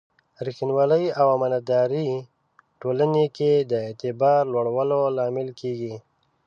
ریښتینولي او امانتداري ټولنې کې د اعتبار لوړولو لامل کېږي.